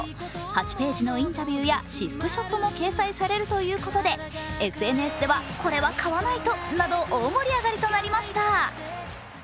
８ページのインタビューや私服ショットも掲載されるということで、ＳＮＳではこれは買わないと！など大盛り上がりとなりました。